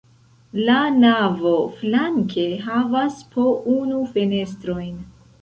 La navo flanke havas po unu fenestrojn.